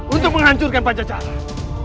untuk menghancurkan pancajaran